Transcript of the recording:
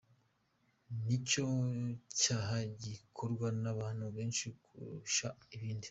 Nicyo cyaha gikorwa n’abantu benshi kurusha ibindi.